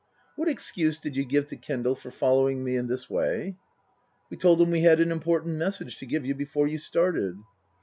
" What excuse did you give to Kendal for following me in this way ?"" We told him we had an important message to give you before you started."